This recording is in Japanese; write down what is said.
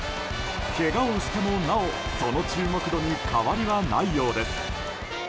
けがをしてもなお、その注目度に変わりはないようです。